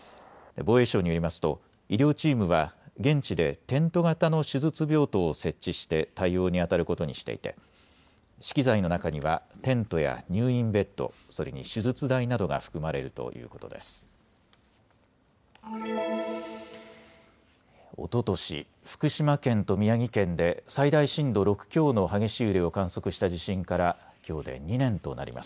防衛省によりますと医療チームは現地でテント型の手術病棟を設置して対応にあたることにしていて資機材の中にはテントや入院ベッド、それに手術台などが含まれるということです。